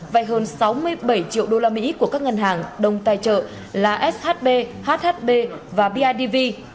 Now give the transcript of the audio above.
vài hơn sáu mươi bảy triệu đô la mỹ của các ngân hàng đồng tài trợ là shb hhb và bidv